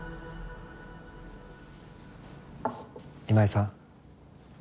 今井さん？